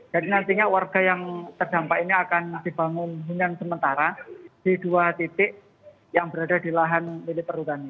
jadi nantinya warga yang terdampak ini akan dibangun hingga sementara di dua titik yang berada di lahan milik perudana